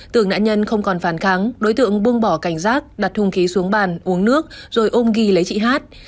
tưởng nạn nhân không còn phản kháng đối tượng buông bỏ cảnh giác đặt hung khí xuống bàn uống nước rồi ôm ghi lấy chị hát